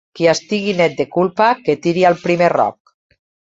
Qui estigui net de culpa, que tiri el primer roc.